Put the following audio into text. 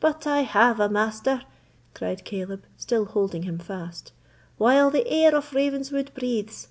"But I have a master," cried Caleb, still holding him fast, "while the heir of Ravenswood breathes.